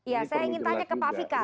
ya saya ingin tanya ke pak fikar